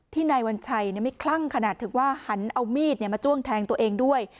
นายวัญชัยไม่คลั่งขนาดถึงว่าหันเอามีดมาจ้วงแทงตัวเองด้วย